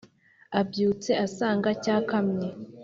abyutse asanga cyakamye.